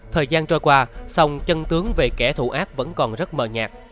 thời gian trôi qua sông chân tướng về kẻ thù ác vẫn còn rất mờ nhạt